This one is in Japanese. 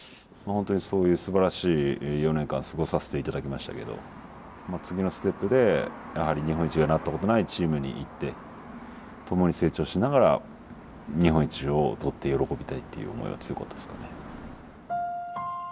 本当にそういうすばらしい４年間過ごさせていただきましたけど次のステップでやはり日本一がなったことがないチームに行って共に成長しながら日本一を取って喜びたいっていう思いが強かったですね。